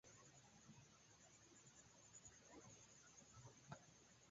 Poste, sciencistoj povis certigi pri la ekzisto de aliaj elementoj en la perioda tabelo.